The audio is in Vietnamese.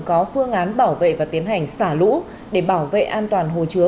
có phương án bảo vệ và tiến hành xả lũ để bảo vệ an toàn hồ chứa